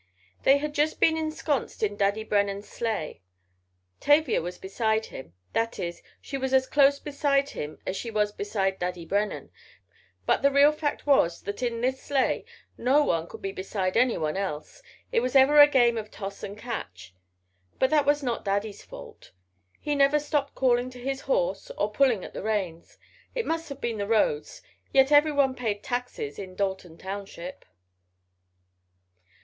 They had just been ensconsed in Daddy Brennen's sleigh. Tavia was beside him—that is, she was as close beside him as she was beside Daddy Brennen, but the real fact was, that in this sleigh, no one could be beside anyone else—it was ever a game of toss and catch. But that was not Daddy's fault. He never stopped calling to his horse, or pulling at the reins. It must have been the roads, yet everyone paid taxes in Dalton Township.